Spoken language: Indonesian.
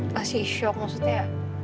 masih shock maksudnya